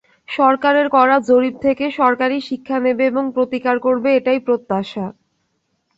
সরকারের করা জরিপ থেকে সরকারই শিক্ষা নেবে এবং প্রতিকার করবে এটাই প্রত্যাশা।